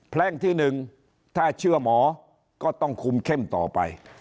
แพร่งที่๑ถ้าเชื่อหมอก็ต้องคุมเข้มต่อไป